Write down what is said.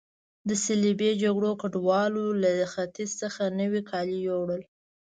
د صلیبي جګړو ګډوالو له ختیځ څخه نوي کالي یوړل.